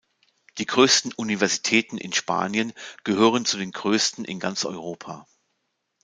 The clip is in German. Die größten Universitäten in Spanien gehören zu den größten in ganz Europa.